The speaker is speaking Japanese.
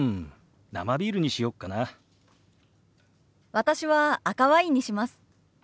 私は赤ワインにします。